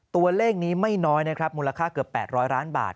ตัวเลขนี้ไม่น้อยนะครับมูลค่าเกือบ๘๐๐ล้านบาท